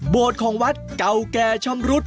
บถของวัดเก่าแก่ชอบรุษ